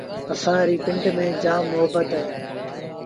اسآݩ ريٚ پنڊ ميݩ جآم مهبت هوئيٚتي۔